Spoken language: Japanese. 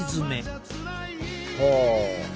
ほう。